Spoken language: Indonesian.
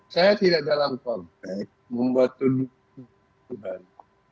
saya tidak dalam konteks membuat tunjuk ke udang